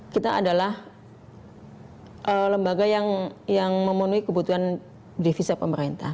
kita adalah lembaga yang memenuhi kebutuhan devisa pemerintah